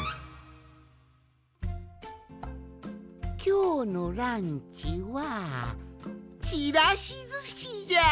きょうのランチはちらしずしじゃ！